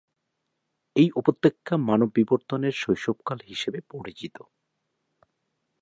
এই উপত্যকা মানব বিবর্তনের শৈশবকাল হিসেবে পরিচিত।